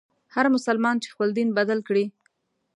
هر مسلمان چي خپل دین بدل کړي.